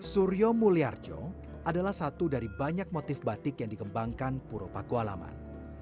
suryo mulyarjo adalah satu dari banyak motif batik yang dikembangkan puro pakualaman